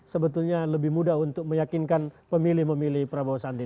sebetulnya lebih mudah untuk meyakinkan pemilih memilih prabowo sandi